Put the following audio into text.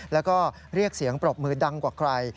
แล้วก็เรียกเสียงปรบมือดังกว่าใคร